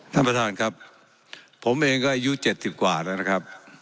ท่านประธานครับผมเองก็อายุ๗๐กว่าแล้วนะครับ